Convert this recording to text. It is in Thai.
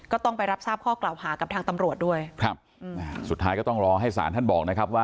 ก็ต้องไปรับทราบข้อกล่าวหากับทางตำรวจด้วยครับสุดท้ายก็ต้องรอให้สารท่านบอกนะครับว่า